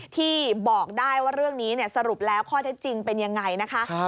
ที่บอกได้ว่าเรื่องนี้สรุปแล้วข้อเท็จจริงเป็นยังไงนะคะ